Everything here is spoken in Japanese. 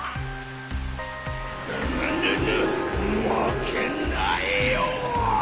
ぐぬぬぬまけないよ！